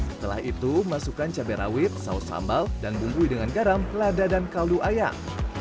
setelah itu masukkan cabai rawit saus sambal dan bumbui dengan garam lada dan kaldu ayam